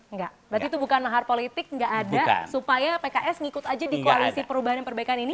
enggak berarti itu bukan mahar politik nggak ada supaya pks ngikut aja di koalisi perubahan dan perbaikan ini